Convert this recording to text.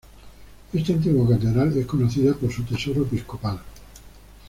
Esta antigua catedral es conocida por su tesoro episcopal.